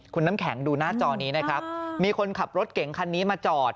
คุณน้ำแข็งดูหน้าจอนี้นะครับมีคนขับรถเก๋งคันนี้มาจอด